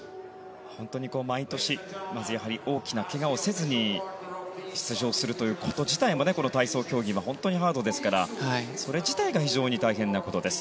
毎年、大きなけがをせずに出場すること自体もこの体操競技は本当にハードですからそれ自体が非常に大変なことです。